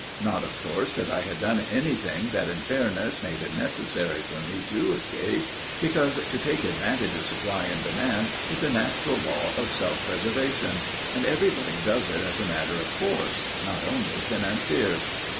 Not, of course, that I had done anything that in fairness made it necessary for me to escape, because to take advantage of supply and demand is a natural law of self preservation, and everybody does it as a matter of course, not only financiers.